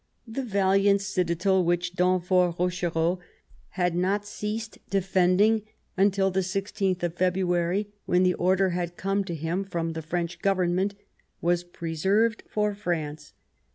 The valiant citadel which Denfert Rochereau had 150 The War of 1870 not ceased defending until the i6th of February, when the order had come to him from the French Government, was preserved for France.